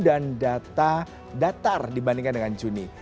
dan data datar dibandingkan dengan juni